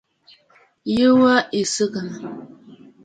Ɨ́ɣèè wā ɨ́ í tʃégə́.